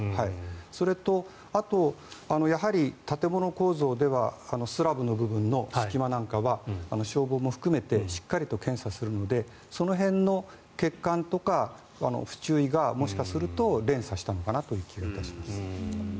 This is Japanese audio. それと、建物構造ではスラブの部分の隙間なんかは消防も含めてしっかり検査をするのでその辺の欠陥とか不注意がもしかすると連鎖したのかなという気がいたします。